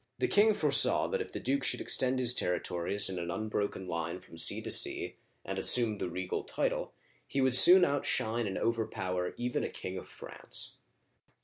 The king foresaw that if the duke should extend his territories in an unbroken line from sea to sea, and assume the regal title, he would soon outshine and over power even a King of France.